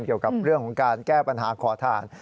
เกี่ยวกับเรื่องของการแก้ปัญหาขอทาน